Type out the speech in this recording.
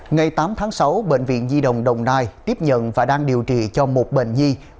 ngày tám tháng sáu bệnh viện di đồng đồng nai tiếp nhận và đang điều trị cho một bệnh nhi